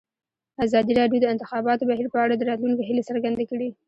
ازادي راډیو د د انتخاباتو بهیر په اړه د راتلونکي هیلې څرګندې کړې.